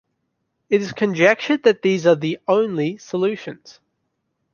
It is conjectured that these are the "only" solutions.